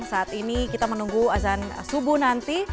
saat ini kita menunggu azan subuh nanti